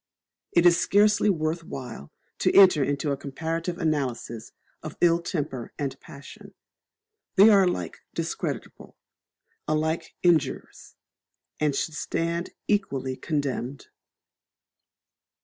It is scarcely worth while to enter into a comparative analysis of ill temper and passion; they are alike discreditable, alike injurious, and should stand equally condemned.